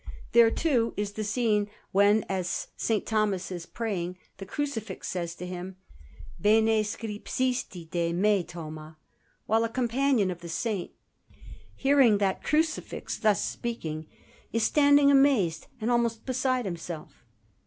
There, too, is the scene when, as S. Thomas is praying, the Crucifix says to him, "Bene scripsisti de me, Thoma"; while a companion of the Saint, hearing that Crucifix thus speaking, is standing amazed and almost beside himself.